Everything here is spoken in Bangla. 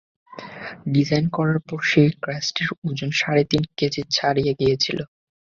ডিজাইন করার পরে সেই ক্রেস্টের ওজন সাড়ে তিন কেজি ছাড়িয়ে গিয়েছিল।